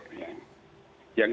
yang jangka panjang